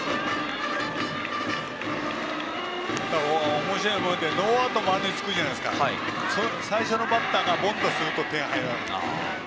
おもしろいものでノーアウト満塁を作るじゃないですか最初のバッターが凡打すると点が入らないんです。